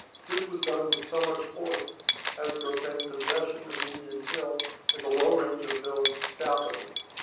This was done with so much force as to obtain possession of Indian Hill and the low range of hills south of it.